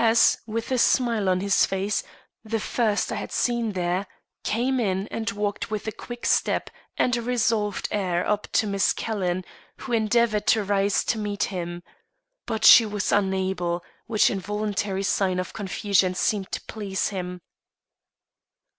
S , with a smile on his face the first I had seen there came in and walked with a quick step and a resolved air up to Miss Calhoun, who endeavored to rise to meet him. But she was unable, which involuntary sign of confusion seemed to please him.